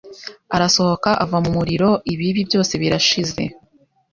arasohoka ava mu muriro ibibi byose birashize